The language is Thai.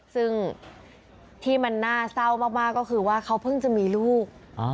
ซึ่งที่มันน่าเศร้ามากก็คือว่าเขาเพิ่งจะมีลูก